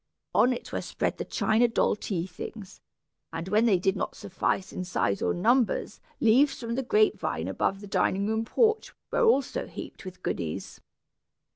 On it were spread the china doll tea things, and when they did not suffice in size or numbers, leaves from the grape vine above the dining room porch, were also heaped with goodies.